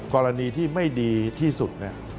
กรณีที่ไม่ดีที่สุด